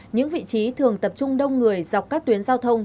những vị trí thường tập trung đông người dọc các tuyến giao thông